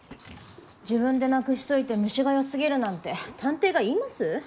自分でなくしといて虫がよすぎるなんて探偵が言います？